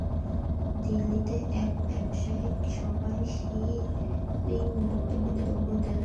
দিল্লিতে এক ব্যবসায়িক সভায় শি জিনপিং বক্তব্য দেবেন।